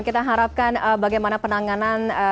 kita harapkan bagaimana penanganan